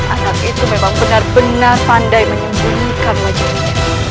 anak itu memang benar benar pandai menyembunyikan wajahnya